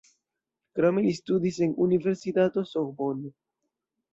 Krome li studis en la universitato Sorbonne.